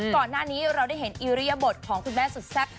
ก่อนหน้านี้เราได้เห็นอิริยบทของคุณแม่สุดแซ่บ